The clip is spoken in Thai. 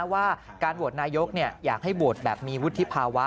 ว่าการโหวตนายกอยากให้โหวตแบบมีวุฒิภาวะ